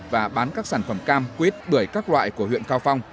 và bán các sản phẩm cam quýt bưởi các loại của huyện cao phong